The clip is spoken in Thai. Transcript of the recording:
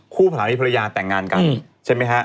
คู่ภรรณีภรรยาแต่งงานกัน